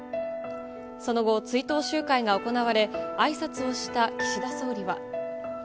その後、追悼集会が行われ、あいさつをした岸田総理は。